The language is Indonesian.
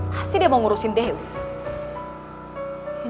pasti dia mau ngurusin deh